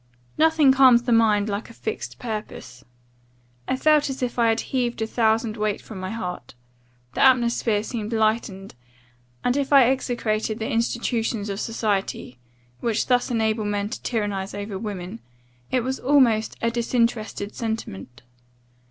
"Nothing calms the mind like a fixed purpose. I felt as if I had heaved a thousand weight from my heart; the atmosphere seemed lightened; and, if I execrated the institutions of society, which thus enable men to tyrannize over women, it was almost a disinterested sentiment.